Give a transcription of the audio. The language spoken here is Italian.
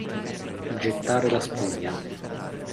Gettare la spugna.